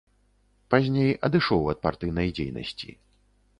Пазней адышоў ад партыйнай дзейнасці.